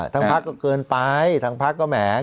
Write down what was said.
ทางพรรคก็เกินไปทางพรรคก็แหมง